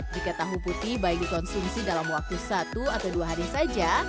jika tahu putih baik dikonsumsi dalam waktu satu atau dua hari saja